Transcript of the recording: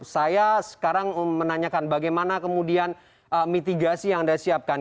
saya sekarang menanyakan bagaimana kemudian mitigasi yang anda siapkan